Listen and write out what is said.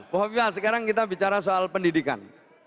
pokoknya sekarang kita bicara soal pendidikan